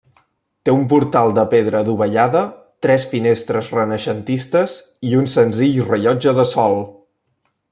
Té un portal de pedra adovellada, tres finestres renaixentistes i un senzill rellotge de sol.